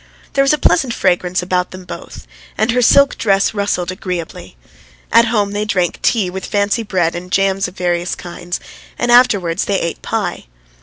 There was a pleasant fragrance about them both, and her silk dress rustled agreeably. At home they drank tea, with fancy bread and jams of various kinds, and afterwards they ate pie.